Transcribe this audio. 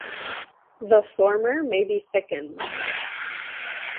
The former may be thickened.